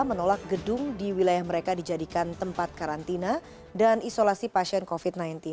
menolak gedung di wilayah mereka dijadikan tempat karantina dan isolasi pasien covid sembilan belas